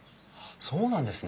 そうなんですね。